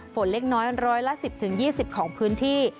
ฝนเล็กน้อยร้อยละ๑๐๒๐ของพื้นที่